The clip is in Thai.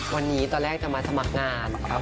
วันนี้ตอนแรกจะมาสมัครงานครับ